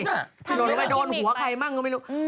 กระโดดลงไปโดนหัวใครมั่งก็ไม่รู้